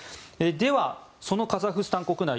では、そのカザフスタン国内